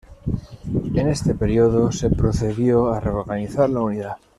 En este periodo se procedió a reorganizar la unidad.